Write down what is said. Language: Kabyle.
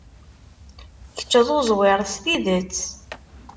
Kečč d uẓwir s tidet.